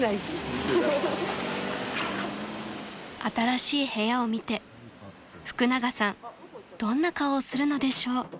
［新しい部屋を見て福永さんどんな顔をするのでしょう］